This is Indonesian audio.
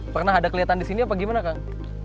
pernah ada kelihatan di sini apa gimana kang